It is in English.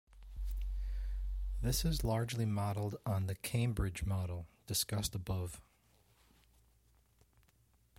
This is largely modelled on the Cambridge model, discussed above.